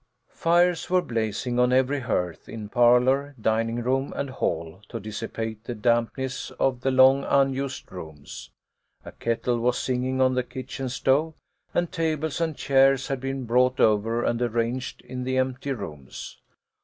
Fires were blazing on every hearth, in parlour, dining room, and hall, to dissipate the dampness of the long unused rooms. A kettle was singing on the kitchen stove, and tables and chairs had been brought over and arranged in the empty rooms.